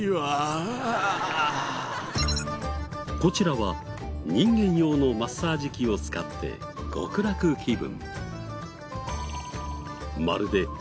こちらは人間用のマッサージ機を使って極楽気分。